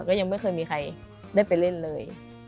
ยังไม่เคยมีใครได้ไปเล่นเลย